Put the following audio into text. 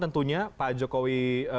tentunya pak jokowi